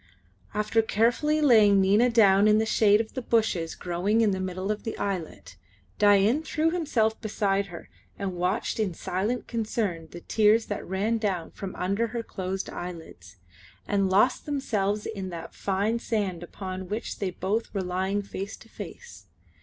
After carefully laying Nina down in the shade of the bushes growing in the middle of the islet, Dain threw himself beside her and watched in silent concern the tears that ran down from under her closed eyelids, and lost themselves in that fine sand upon which they both were lying face to face.